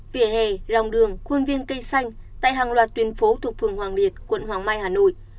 vỉa hè lòng đường khuôn viên cây xanh tại hàng loạt tuyến phố thuộc phường hoàng liệt quận hoàng mai hà nội